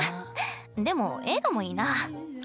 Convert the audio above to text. でも映画もいいな。